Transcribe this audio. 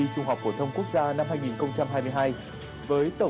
của lực lượng công an nhân dân